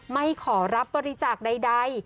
ไม่ขอรับบริจาคใด